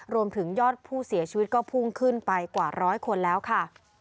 รวมถึงยอดผู้เสียชีวิตก็พุ่งขึ้นไปกว่าร้อยคนแล้วค่ะ